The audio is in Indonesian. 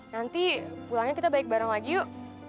nanti pulangnya kita balik bareng lagi yuk